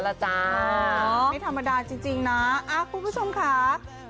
ไม่เชื่อไปฟังกันหน่อยค่ะ